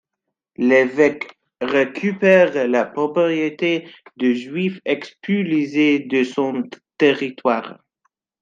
L'évêque récupère la propriété des Juifs expulsés de son territoire.